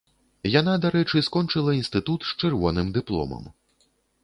Яна, дарэчы, скончыла інстытут з чырвоным дыпломам.